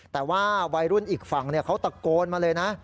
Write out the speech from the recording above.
แต่ว่าวัยรุ่นอีกฝั่งเขาตะโกนมาเลยนะ